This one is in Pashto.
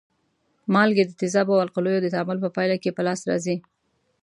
مالګې د تیزابو او القلیو د تعامل په پایله کې په لاس راځي.